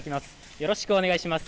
よろしくお願いします。